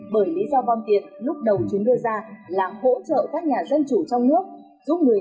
bởi lý do vong tiền lúc đầu chúng đưa ra là hỗ trợ các nhà dân chủ trong nước giúp người